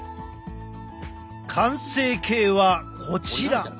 完成形はこちら！